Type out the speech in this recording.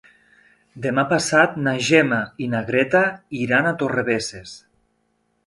Demà passat na Gemma i na Greta iran a Torrebesses.